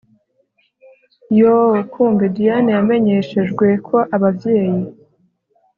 YooooooooooooKumbe Diane yamenyeshejwe ko abavyeyi